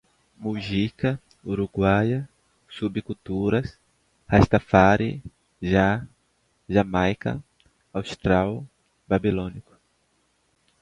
Mujica, uruguaia, subculturas, rastafári, Jah, Jamaica, austral, babilônico